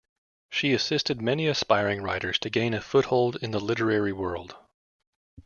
She assisted many aspiring writers to gain a foothold in the literary world.